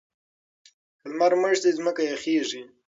که لمر مړ شي ځمکه یخیږي.